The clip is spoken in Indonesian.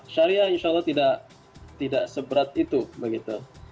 syariah insya allah tidak seberat itu begitu